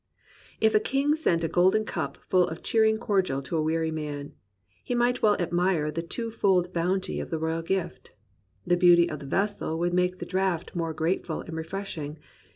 If a king sent a golden cup full of cheering cordial to a weary man, he might well admire the two fold bounty of the royal gift. The beauty of the vessel would make the draught more grateful and refreshing.